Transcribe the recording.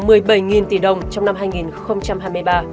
sông evn vẫn ghi nhận khoảng một mươi bảy tỷ đồng trong năm hai nghìn hai mươi ba